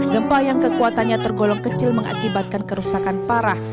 gempa yang kekuatannya tergolong kecil mengakibatkan kerusakan parah